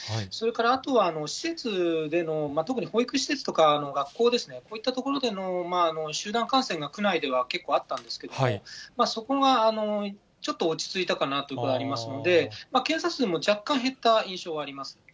それから、あとは施設での、特に保育施設とか学校ですね、こういった所での集団感染が区内では結構あったんですけども、そこがちょっと落ち着いたかなっていうことがありますので、検査数も若干減った印象があります。